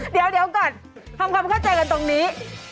เดี๋ยวก่อนทำความเข้าใจกันตรงนี้